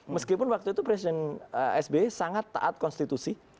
meskipun waktu itu presiden sbi sangat taat konstitusi